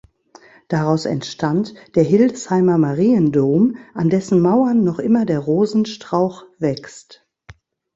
Daraus entstand der Hildesheimer Mariendom, an dessen Mauern noch immer der Rosenstrauch wächst.